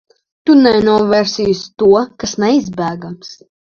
Tu nenovērsīsi to, kas neizbēgams.